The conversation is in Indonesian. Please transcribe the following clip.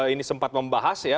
ini sempat membahas ya